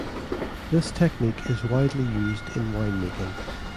This technique is widely used in wine making.